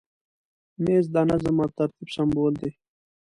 مېز د نظم او ترتیب سمبول دی.